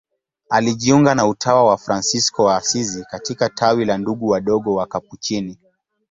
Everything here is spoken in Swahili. Alijiunga na utawa wa Fransisko wa Asizi katika tawi la Ndugu Wadogo Wakapuchini.